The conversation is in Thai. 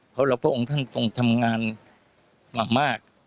เพราะเราพระองค์ท่านต้องทำงานมาก